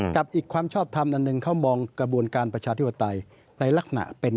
กับอีกความชอบทำอันหนึ่งเขามองกระบวนการประชาธิปไตยในลักษณะเป็น